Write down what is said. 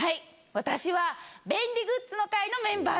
私は便利グッズの会のメンバーです。